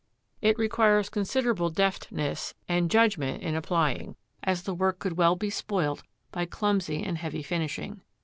It requires considerable deftness and judgment in applying, as the work could well be spoilt by clumsy and heavy finishing.